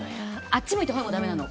あっち向いてほいもだめなの。